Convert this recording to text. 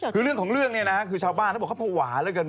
คือเรื่องของเรื่องนี่ชาวบ้านเขาบอกว่าเขาวาแล้วกัน